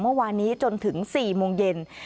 เมื่อวานนี้จนถึง๔โมงเย็น